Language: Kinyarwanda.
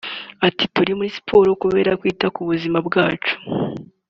Ati “Turi muri siporo kubera kwita ku buzima bwacu